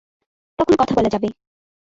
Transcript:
তখন কথা বলা যাবে।